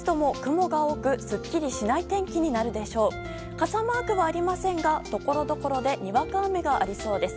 傘マークはありませんがところどころでにわか雨がありそうです。